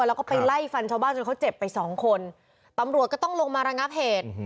แล้วก็ไปไล่ฟันชาวบ้านจนเขาเจ็บไปสองคนตำรวจก็ต้องลงมาระงับเหตุ